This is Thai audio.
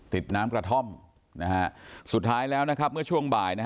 ติดน้ำกระท่อมสุดท้ายแล้วเมื่อช่วงบ่าย